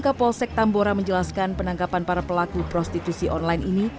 kapolsek tambora menjelaskan penangkapan para pelaku prostitusi online ini